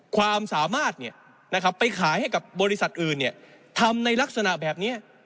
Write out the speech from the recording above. ความสามารถไปขายให้กับบริษัทอื่นทำในลักษณะแบบนี้